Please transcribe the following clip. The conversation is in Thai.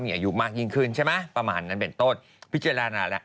มีอายุมากยิ่งขึ้นใช่ไหมประมาณนั้นเป็นต้น